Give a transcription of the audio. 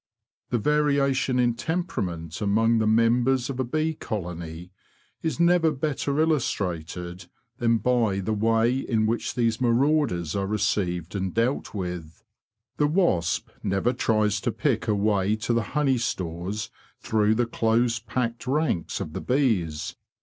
The variation in temperament among the mem bers of a bee colony is never better illustrated than by the way in which these marauders are received and dealt with. The wasp never tries to pick a way to the honey stores through the close packed ranks of the bees.